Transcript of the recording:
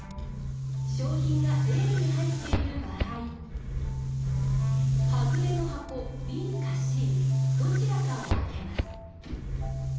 賞品がＡに入っている場合ハズレの箱ＢかＣどちらかを開けます。